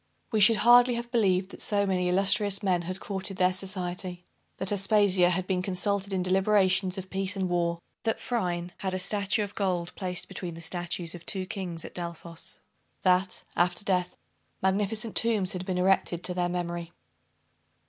We should hardly have believed that so many illustrious men had courted their society that Aspasia had been consulted in deliberations of peace and war that Phryne had a statue of gold placed between the statues of two kings at Delphos that, after death, magnificent tombs had been erected to their memory.